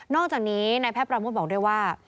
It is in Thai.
อกจากนี้นายแพทย์ปราโมทบอกด้วยว่า